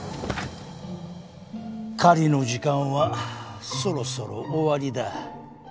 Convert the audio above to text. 狩りの時間はそろそろ終わりだ。